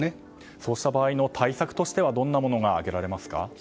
そうした場合の対策としてはどんなものが挙げられますか。